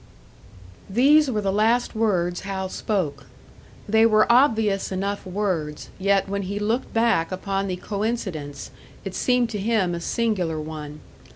These were the last words Hal spoke. They were obvious enough words, yet when he looked back upon the coincidence, it seemed to him a singular one.